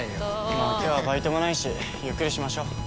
まあ今日はバイトもないしゆっくりしましょ。